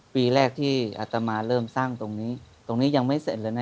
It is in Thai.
ปีแรกที่อัตมาเริ่มสร้างตรงนี้ตรงนี้ยังไม่เสร็จเลยนะ